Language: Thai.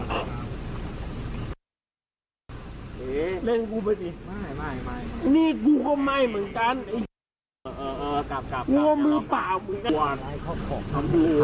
เล่นกูไปสินี่กูก็ไม่เหมือนกันไอ้หัวมือเปล่า